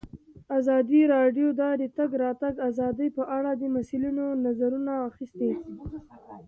ازادي راډیو د د تګ راتګ ازادي په اړه د مسؤلینو نظرونه اخیستي.